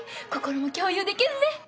心も共有できるね！